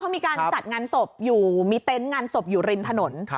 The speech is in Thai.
เขามีการจัดงานศพอยู่มีเต็นต์งานศพอยู่ริมถนน